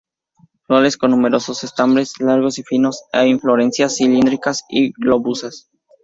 Flores con numerosos estambres largos y finos, en inflorescencias cilíndricas o globosas.